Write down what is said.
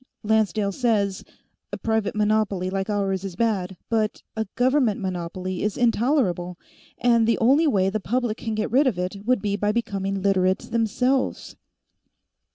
Lancedale says, a private monopoly like ours is bad, but a government monopoly is intolerable, and the only way the public can get rid of it would be by becoming Literates, themselves."